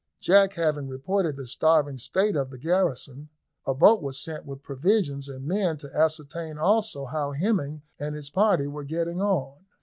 Jack having reported the starving state of the garrison, a boat was sent with provisions and men to ascertain also how Hemming and his party were getting on.